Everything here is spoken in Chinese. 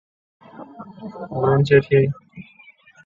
为了保证蛋白质的活性通常需要新鲜制备用于筛选的蛋白质。